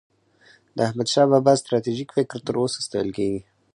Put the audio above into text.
د احمدشاه بابا ستراتیژيک فکر تر اوسه ستایل کېږي.